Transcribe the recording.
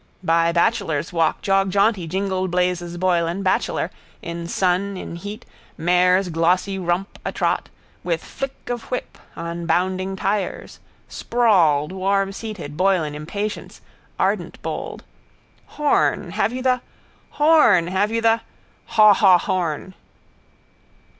By Bachelor's walk jogjaunty jingled Blazes Boylan, bachelor, in sun in heat, mare's glossy rump atrot, with flick of whip, on bounding tyres: sprawled, warmseated, Boylan impatience, ardentbold. Horn. Have you the? Horn. Have you the? Haw haw horn.